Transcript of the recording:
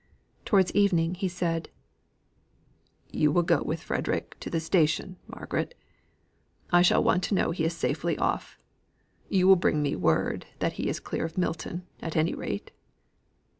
Towards evening he said: "You will go with Frederick to the station, Margaret? I shall want to know he is safely off. You will bring me word that he is clear of Milton, at any rate?"